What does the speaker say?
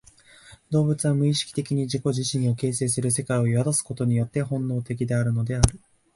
動物は無意識的に自己自身を形成する世界を宿すことによって本能的であるのである。